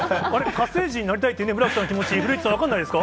火星人になりたいという村木さんの気持ち、古市さん、分かんないですか？